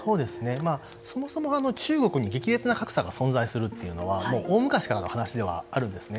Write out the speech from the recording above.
そもそも中国に激烈な格差が存在するというのは大昔からの話ではあるんですね。